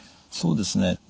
そうですね。